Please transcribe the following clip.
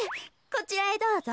こちらへどうぞ。